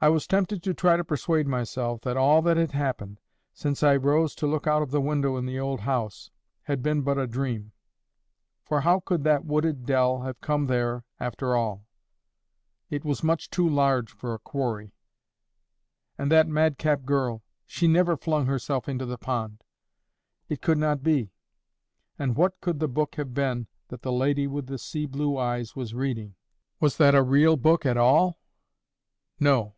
I was tempted to try to persuade myself that all that had happened, since I rose to look out of the window in the old house, had been but a dream. For how could that wooded dell have come there after all? It was much too large for a quarry. And that madcap girl—she never flung herself into the pond!—it could not be. And what could the book have been that the lady with the sea blue eyes was reading? Was that a real book at all? No.